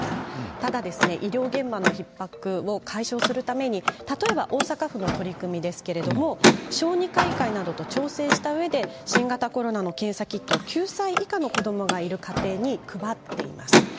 ただ医療現場のひっ迫を解消するために例えば、大阪府の取り組みですけれど小児科医会などと調整したうえで新型コロナの検査キットを９歳以下の子どもがいる家庭に配っています。